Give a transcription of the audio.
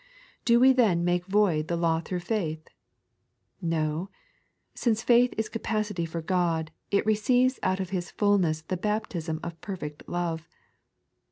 Do we then make void the law through faith J " No ; since faith is capacity for God, it receives out of TTjb fulness the baptism of perfect love.